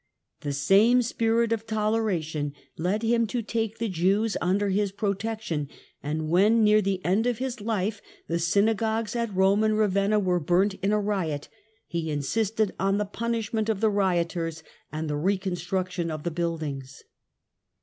The same spirit of toleration led him to take the Jews under his protection, and when, near the end of his life, the synagogues at Rome and Ravenna were burnt in a riot, he insisted on the punishment of the rioters and the reconstruction of the buildings.